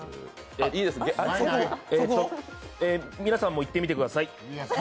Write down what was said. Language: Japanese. えー、皆さんも行ってみてください。